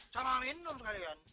sama minum sekalian